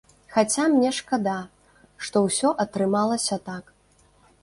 Хаця мне шкада, што ўсё атрымалася так.